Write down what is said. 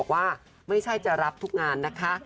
ไม่ใช่จะรับทุกงานนะคะ